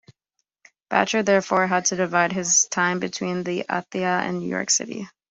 Bacher therefore had to divide his time between Ithaca and New York City.